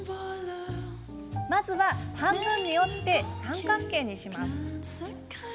まずは半分に折って三角形にします。